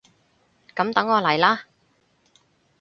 噉等我嚟喇！